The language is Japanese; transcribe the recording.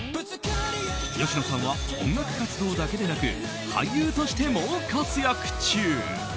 吉野さんは音楽活動だけでなく俳優としても活躍。